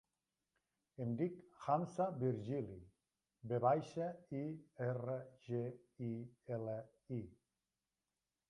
Em dic Hamza Virgili: ve baixa, i, erra, ge, i, ela, i.